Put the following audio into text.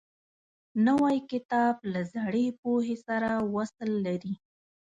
نوی کتاب له زړې پوهې سره وصل لري